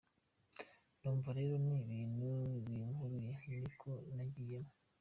Numva rero ni ibintu binkuruye, ni uko nagiyemo.